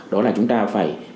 đó là chúng ta phải